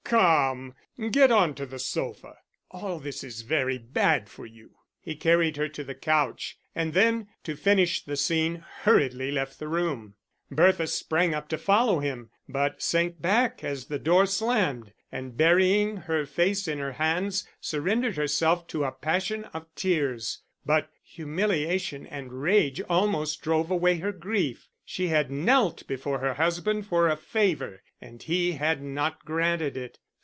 "Come, get on to the sofa. All this is very bad for you." He carried her to the couch, and then, to finish the scene, hurriedly left the room. Bertha sprang up to follow him, but sank back as the door slammed, and burying her face in her hands, surrendered herself to a passion of tears. But humiliation and rage almost drove away her grief. She had knelt before her husband for a favour, and he had not granted it.